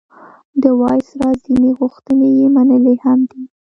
د وایسرا ځینې غوښتنې یې منلي هم وې.